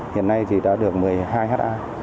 hiện nay thì đã được một mươi hai ha